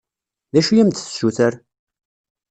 D acu i am-d-tessuter?